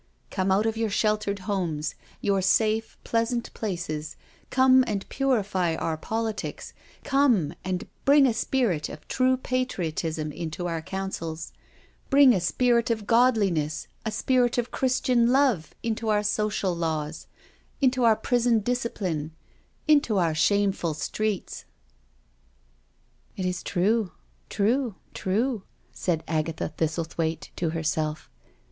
Come out of your IN MIDDLEHAM CHURCH 199 sheltered homes, your safe, pleasant places, come and purify our politics, come and bring a spirit of true patriotism into our councils — bring a spirit of godli ness, a spirit of Christian love into our social laws, into our prison discipline, into our shameful streets," ••••••" It is true— true — true," said Agatha Thistlethwaite to herself.